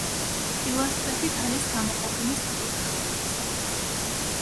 პილასტრებით არის გამოყოფილი საკურთხეველიც.